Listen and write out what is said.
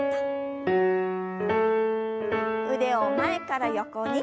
腕を前から横に。